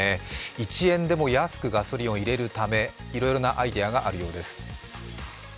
１円でも安くガソリンを入れるためいろいろなアイデアがあるようです。